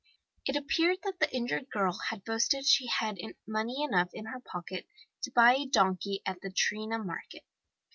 It appeared that the injured girl had boasted she had money enough in her pocket to buy a donkey at the Triana Market.